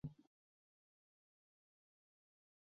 圆芽箭竹为禾本科箭竹属下的一个种。